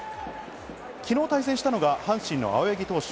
昨日対戦したのが阪神の青柳投手。